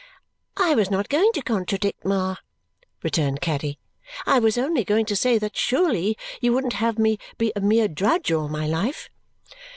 "I was not going to contradict, Ma," returned Caddy. "I was only going to say that surely you wouldn't have me be a mere drudge all my life."